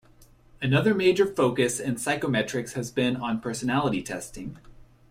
Another major focus in psychometrics has been on personality testing.